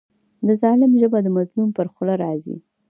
د ظالم ژبه د مظلوم پر خوله راځي.